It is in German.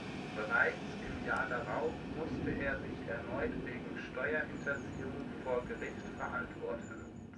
Bereits im Jahr darauf musste er sich erneut wegen Steuerhinterziehung vor Gericht verantworten.